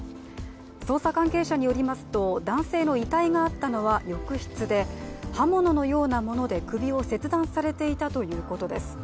捜査関係者によりますと男性の遺体があったのは浴室で刃物のようなもので首を切断されていたということです。